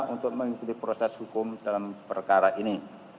untuk mengikuti proses hukum dalam perkara ini